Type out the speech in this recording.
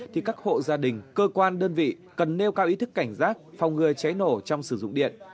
thì các hộ gia đình cơ quan đơn vị cần nêu cao ý thức cảnh giác phòng ngừa cháy nổ trong sử dụng điện